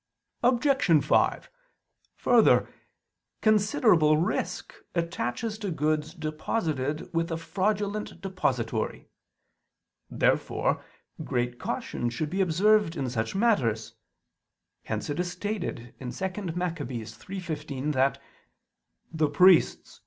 Obj. 5: Further, considerable risk attaches to goods deposited with a fraudulent depositary: wherefore great caution should be observed in such matters: hence it is stated in 2 Mac. 3:15 that "the priests